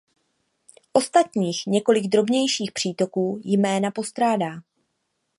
Ostatních několik drobnějších přítoků jména postrádá.